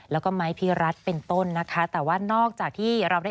แล้วก็ไม้พีรัฐเป็นต้นนะคะ